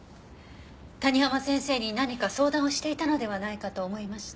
谷浜先生に何か相談をしていたのではないかと思いまして。